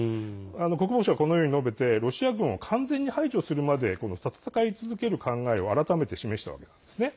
国防相はこのように述べてロシア軍を完全に排除するまで戦い続ける考えを改めて示したんですね。